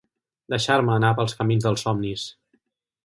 Deixar-me anar pels camins dels somnis...